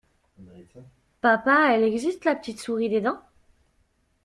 Papa elle existe la petite souris des dents?